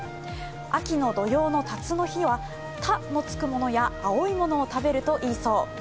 秋の土用のたつの日は「た」のつくものや青いものを食べるといいそう。